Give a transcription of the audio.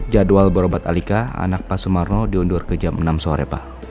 jadwal berobat alika anak pak sumarno diundur ke jam enam sore pak